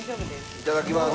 いただきます。